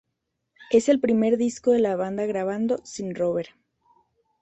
Es el primer disco de la banda grabado sin "Rober".